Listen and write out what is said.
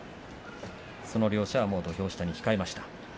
その両者は、もう土俵下に控えました。